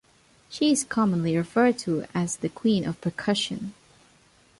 She is commonly referred to as The Queen of Percussion.